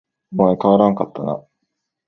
お前変わらんかったな